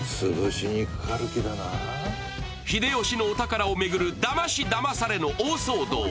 秀吉のお宝を巡るだましだまされの大騒動。